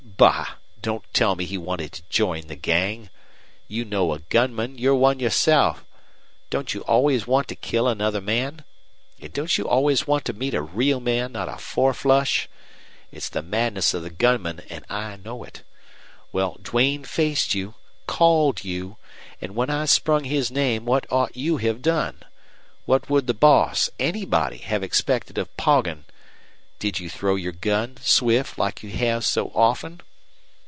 Bah! Don't tell me he wanted to join the gang. You know a gunman, for you're one yourself. Don't you always want to kill another man? An' don't you always want to meet a real man, not a four flush? It's the madness of the gunman, an' I know it. Well, Duane faced you called you! An' when I sprung his name, what ought you have done? What would the boss anybody have expected of Poggin? Did you throw your gun, swift, like you have so often?